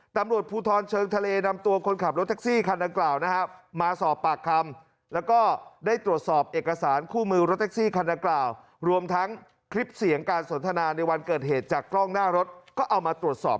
ตำรวจภูทรเชิงทะเลนำตัวคนขับรถแท็กซี่คันดังกล่าว